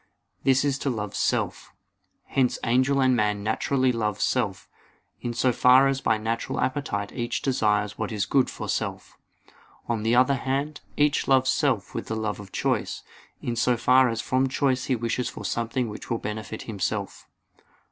This is to love self. Hence angel and man naturally love self, in so far as by natural appetite each desires what is good for self. On the other hand, each loves self with the love of choice, in so far as from choice he wishes for something which will benefit himself.